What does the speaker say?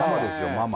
ママ